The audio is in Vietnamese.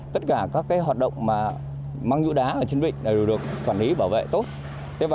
tất cả các hoạt động mang nhu đá ở trên vịnh đều được quản lý bảo vệ tốt